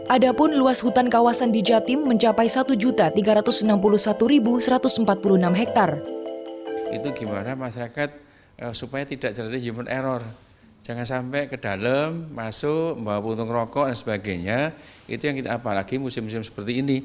ada pun luas hutan kawasan di jatim mencapai satu tiga ratus enam puluh satu satu ratus empat puluh enam hektare